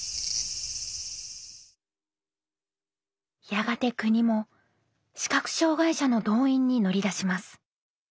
やがて国も視覚障害者の動員に乗り出します。